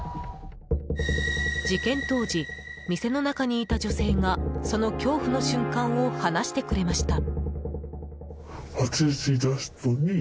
事件当時、店の中にいた女性がその恐怖の瞬間を話してくれました。